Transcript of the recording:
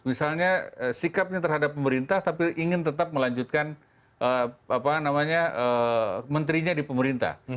misalnya sikapnya terhadap pemerintah tapi ingin tetap melanjutkan menterinya di pemerintah